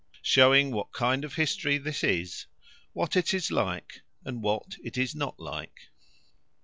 Showing what kind of a history this is; what it is like, and what it is not like.